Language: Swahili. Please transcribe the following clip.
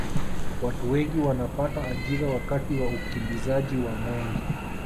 watu wengi wanapata ajira wakati wa ukimbizaji wa mwenge